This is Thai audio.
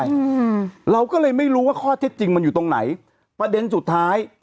อืมเราก็เลยไม่รู้ว่าข้อเท็จจริงมันอยู่ตรงไหนประเด็นสุดท้าย